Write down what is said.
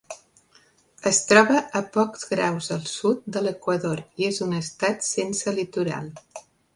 Es troba a pocs graus al sud de l'equador i és un estat sense litoral.